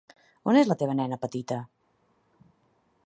On és la teva nena petita?